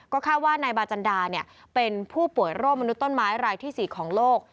คาดว่านายบาจันดาเป็นผู้ป่วยโรคมนุษย์ต้นไม้รายที่๔ของโลก